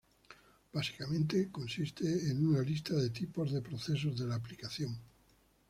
Básicamente, consiste de una lista de tipos de procesos de la aplicación.